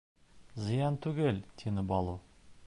— Зыян түгел, — тине Балу.